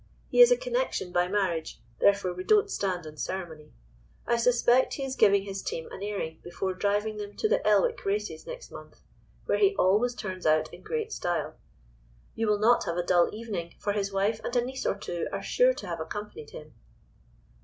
He is a connection by marriage: therefore we don't stand on ceremony. I suspect he is giving his team an airing before driving them to the Elwick Races next month, where he always turns out in great style. You will not have a dull evening, for his wife and a niece or two are sure to have accompanied him."